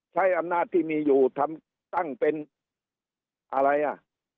ใช้อำนาจที่มีอยู่ทำตั้งเป็นอะไรอ่ะ